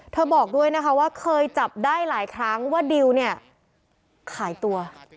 บอกด้วยนะคะว่าเคยจับได้หลายครั้งว่าดิวเนี่ยขายตัว